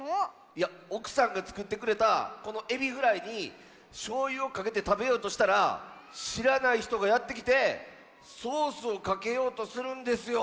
いやおくさんがつくってくれたこのエビフライにしょうゆをかけてたべようとしたらしらないひとがやってきてソースをかけようとするんですよ。